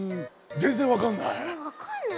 ぜんぜんわからない。